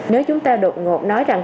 nếu chúng ta đột ngột nói rằng